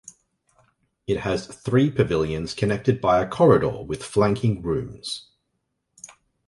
It has three pavilions connected by a corridor with flanking rooms.